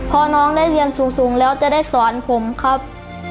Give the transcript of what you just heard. พอน้องได้เรียนสูงแล้วจะได้สอนผมครับ